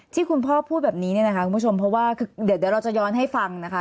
ที่คุณพ่อพูดแบบนี้เนี่ยนะคะคุณผู้ชมเพราะว่าคือเดี๋ยวเราจะย้อนให้ฟังนะคะ